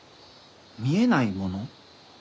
見えないもの？